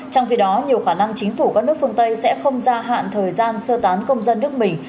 trong khi đó nhiều khả năng chính phủ các nước phương tây sẽ không gia hạn thời gian sơ tán công dân nước mình